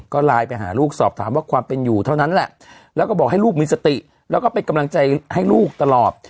ก็ไลน์ไปหาลูกสอบถามว่าความเป็นอยู่เท่านั้นแหละแล้วก็บอกให้ลูกมีสติแล้วก็เป็นกำลังใจให้ลูกตลอด